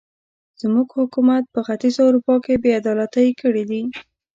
زموږ حکومت په ختیځه اروپا کې بې عدالتۍ کړې دي.